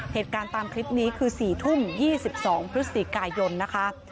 เหตุการณ์ตามคลิปนี้คือ๔ทุ่ม๒๒พฤษฎีกายนนะคะ